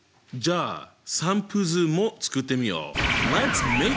じゃあ散布図も作ってみよう！